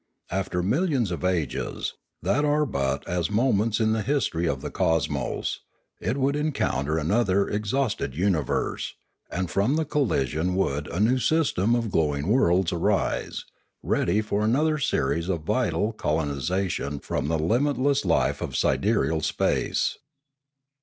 After millions of ages, that are but as moments in the history of the cosmos, it would encounter an other exhausted universe, and from the collision would a new system of glowing worlds arise, ready for another series of vital colonisations from the limitless life of sidereal space.